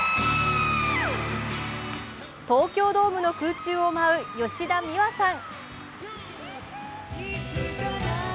東京ドームの空中を舞う吉田美和さん。